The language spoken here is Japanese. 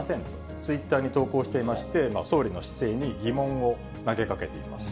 ツイッターに投稿していまして、総理の姿勢に疑問を投げかけています。